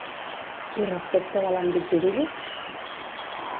I respecte de l'àmbit jurídic?